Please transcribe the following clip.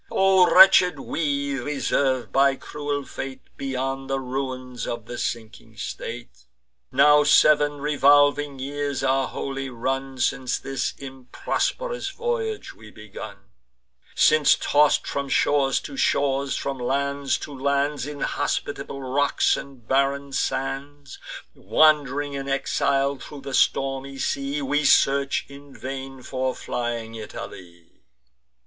O wretched we, reserv'd by cruel fate, Beyond the ruins of the sinking state! Now sev'n revolving years are wholly run, Since this improsp'rous voyage we begun; Since, toss'd from shores to shores, from lands to lands, Inhospitable rocks and barren sands, Wand'ring in exile thro' the stormy sea, We search in vain for flying Italy.